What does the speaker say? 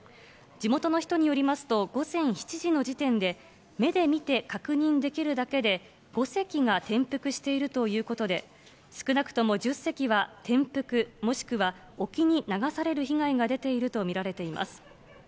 地元の人によりますと、午前７時の時点で、目で見て確認できるだけで５隻が転覆しているということで、少なくとも１０隻は転覆、もしくは沖に流される被害が出ていると見られています。